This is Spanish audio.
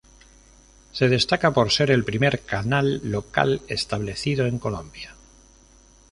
Se destaca por ser el primer canal local establecido en Colombia.